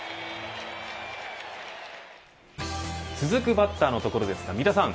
続くバッターのところですが三田さん